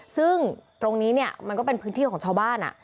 ซึ่งตรงนี้เนี่ยมันก็เป็นพื้นที่ของชาวบ้าน